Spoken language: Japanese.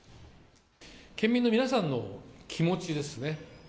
県民の皆さんの気持ちですね。